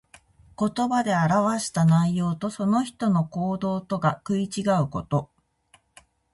言葉で表した内容と、その人の行動とが食い違うこと。